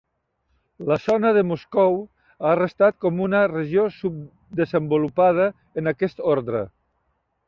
La zona de Moscou ha restat com una regió subdesenvolupada en aquest ordre.